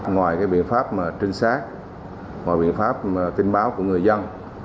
ngoài biện pháp trinh sát và biện pháp tin báo của người dân